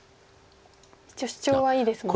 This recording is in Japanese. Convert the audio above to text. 一応シチョウはいいですもんね。